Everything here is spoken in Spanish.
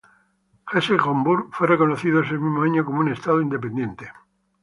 Hesse-Homburg fue reconocido ese mismo año como un Estado independiente.